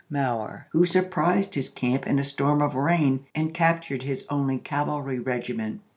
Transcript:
Mower who sur prised his camp in a storm of rain and captured his only cavalry regiment.